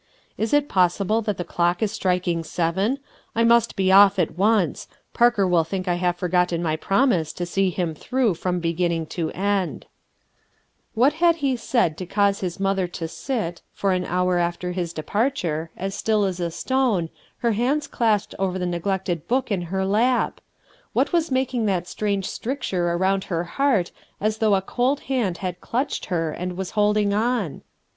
Is it possible that that clock is striking seven! I must be off at once; Parker will think I have forgotten my promise to see him through from beginning to end." 40 RUTH ERSKINE'S SO* What had he said to cause liis mother to at, for an hour after his departure, as still as a stone, her hands clasped over the neglected book h, her Up? U ^ at "" as maJdn & that strange stricture around her heart as though a cold hand bad clutched her and was holding on